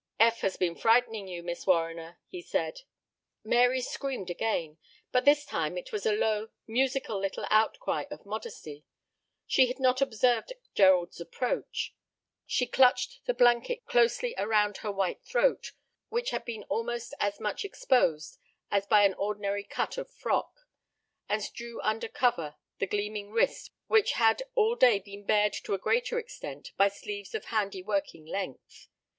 "Eph has been frightening you, Miss Warriner," he said. Mary screamed again, but this time it was a low, musical little outcry of modesty. She had not observed Gerald's approach. She clutched the blanket closely around her white throat, which had been almost as much exposed as by an ordinary cut of frock, and drew under cover the gleaming wrists which had all day been bared to a greater extent by sleeves of handy working length.